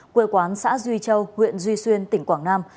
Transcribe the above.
quê quán xã duy châu huyện duy xuyên tỉnh quảng nam